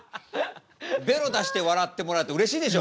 ベロ出して笑ってもらうってうれしいでしょ？